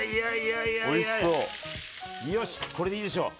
よし、これでいいでしょう。